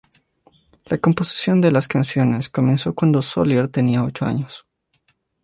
La composición de las canciones comenzó cuando Solier tenía ocho años.